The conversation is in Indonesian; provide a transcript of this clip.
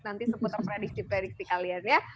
nanti seputar prediksi prediksi kalian ya